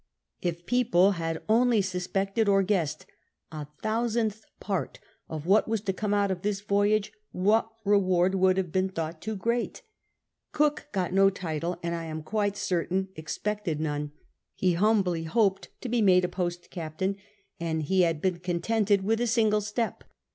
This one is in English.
If people had only suspected or guessed a thousandth part of what was to come out of this voyage, what reward would have been thought too great? Cook got no title, and, I am quite certain, expected none. Efe humbly hoped to be made a post captain, and he had to be contented with a single step.